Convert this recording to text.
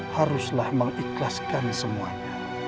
haruslah mengikhlaskan semuanya